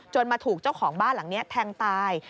มาถูกเจ้าของบ้านหลังนี้แทงตาย